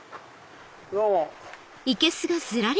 どうも。